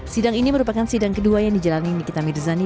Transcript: sidang ini merupakan sidang kedua yang dijalani nikita mirzani